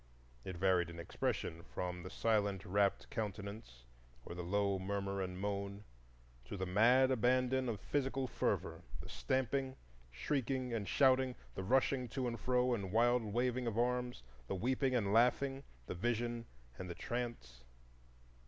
It varied in expression from the silent rapt countenance or the low murmur and moan to the mad abandon of physical fervor,—the stamping, shrieking, and shouting, the rushing to and fro and wild waving of arms, the weeping and laughing, the vision and the trance.